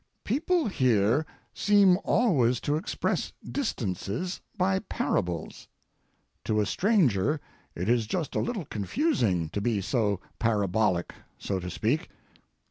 People here seem always to express distances by parables. To a stranger it is just a little confusing to be so parabolic—so to speak.